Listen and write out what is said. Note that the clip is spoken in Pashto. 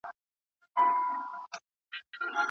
ولي بايد اوس پيل وکړو؟